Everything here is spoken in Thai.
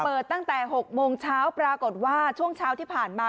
ตั้งแต่๖โมงเช้าปรากฏว่าช่วงเช้าที่ผ่านมา